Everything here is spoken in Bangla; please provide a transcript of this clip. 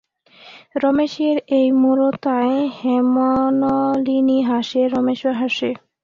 রমেশের এই মূঢ়তায় হেমনলিনী হাসে, রমেশও হাসে।